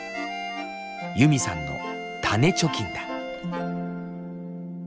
ユミさんの「種貯金」だ。